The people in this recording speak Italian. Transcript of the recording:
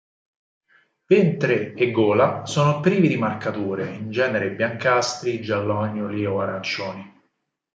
Ventre e gola sono privi di marcature, in genere biancastri, giallognoli o arancioni.